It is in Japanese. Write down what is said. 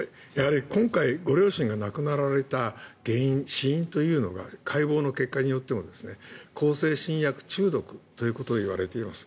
今回、ご両親が亡くなられた死因というのが解剖の結果によって向精神薬中毒といわれています。